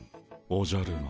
おじゃる丸！